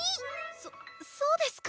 そそうですか？